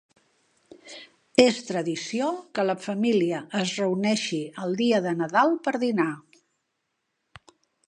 És tradició que la família es reuneixi el dia de Nadal per dinar.